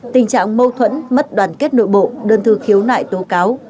tình trạng mâu thuẫn mất đoàn kết nội bộ đơn thư khiếu nại tố cáo